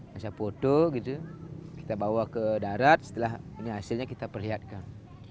saya foto kita bawa ke darat setelah ini hasilnya kita perlihatkan